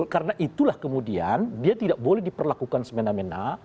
karena itulah kemudian dia tidak boleh diperlakukan semena mena